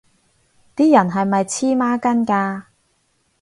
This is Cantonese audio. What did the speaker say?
啲人係咪黐孖筋㗎